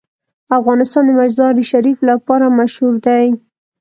افغانستان د مزارشریف لپاره مشهور دی.